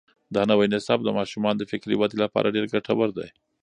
دا نوی نصاب د ماشومانو د فکري ودې لپاره ډېر ګټور دی.